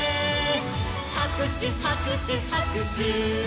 「はくしゅはくしゅはくしゅ」